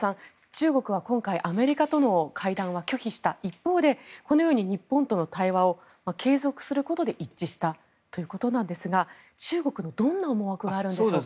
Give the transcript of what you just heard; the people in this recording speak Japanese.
中国はアメリカとの対話を拒否した一方でこのように日本との対話を継続することで一致したということなんですが中国にどんな思惑があるんでしょうか。